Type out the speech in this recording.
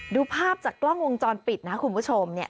ดูภาพจากกล้องวงจรปิดนะคุณผู้ชมเนี่ย